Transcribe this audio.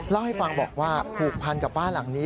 เล่าให้ฟังบอกว่าผูกพันกับบ้านหลังนี้